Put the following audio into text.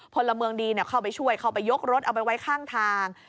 พลเมืองดีเข้าไปช่วยเข้าไปยกรถเอาไปไว้ข้างทาง